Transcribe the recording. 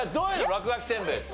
落書きせんべいって。